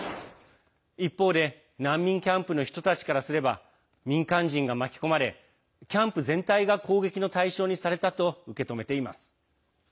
一方で難民キャンプの人たちからすれば民間人が巻き込まれキャンプ全体が攻撃の対象にされたと受け止めています。